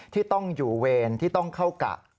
ที่ต้องอยู่เวรที่ต้องเข้ากะ